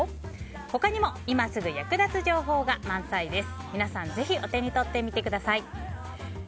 他にも今すぐ役立つ情報が満載です。